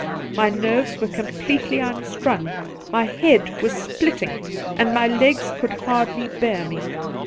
My nerves were completely unstrung, my head was splitting, and my legs could hardly bear me.